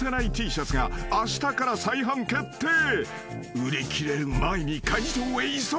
［売り切れる前に会場へ急げ］